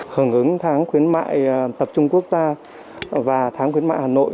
hưởng ứng tháng khuyến mại tập trung quốc gia và tháng khuyến mại hà nội